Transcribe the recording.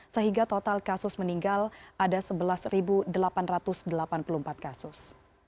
sehingga total kasus meninggal ada sebelas delapan ratus delapan puluh empat kasus